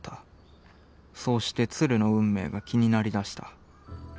そうして鶴の運命が気になりだした。